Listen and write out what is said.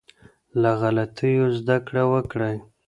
له غلطيو زده کړه وکړئ.